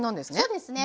そうですね。